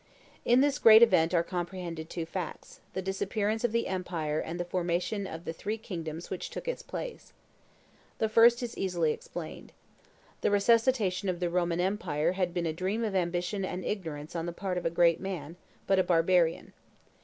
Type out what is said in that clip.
In this great event are comprehended two facts; the disappearance of the empire and the formation of the three kingdoms which took its place. The first is easily explained. The resuscitation of the Roman empire had been a dream of ambition and ignorance on the part of a great man, but a barbarian.